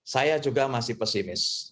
saya juga masih pesimis